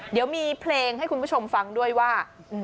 เดี๋ยวมีเพลงให้คุณผู้ชมฟังด้วยว่า